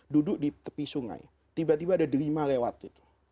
duduk di tepi sungai tiba tiba ada delima lewat itu